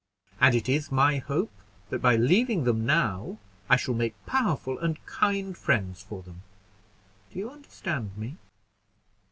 and it is my hope, that by leaving them now, I shall make powerful and kind friends for them. Do you understand me?"